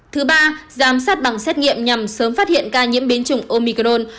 thứ ba giám sát bằng xét nghiệm nhằm sớm phát hiện ca nhiễm biến chủng omicron